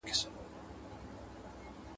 • خواره کې هغه مينځه، چي دمينځي کونه مينځي.